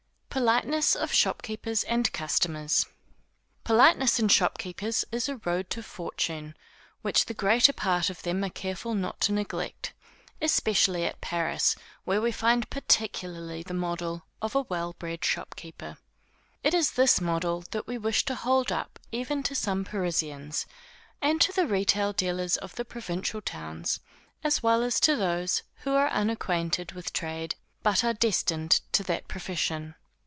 Politeness of Shopkeepers and Customers. Politeness in shopkeepers is a road to fortune, which the greater part of them are careful not to neglect, especially at Paris, where we find particularly the model of a well bred shopkeeper. It is this model that we wish to hold up even to some Parisians, and to the retail dealers of the provincial towns, as well as to those who are unacquainted with trade, but are destined to that profession.